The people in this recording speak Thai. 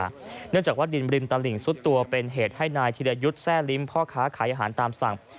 เนื่องจากว่าดินริมตลิ่งซุดตัวเป็นเหตุให้นายธิรยุทธ์แทร่ลิ้มพ่อค้าขายอาหารตามสั่ง